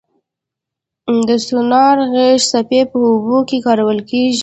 د سونار غږي څپې په اوبو کې کارول کېږي.